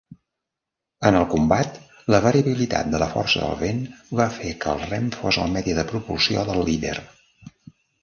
En el combat, la variabilitat de la força del vent va fer que el rem fos el medi de propulsió del lider.